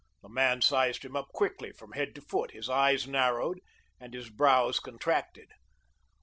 The man sized him up quickly from head to foot. His eyes narrowed and his brows contracted.